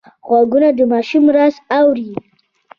غوږونه د ماشوم ناز اوري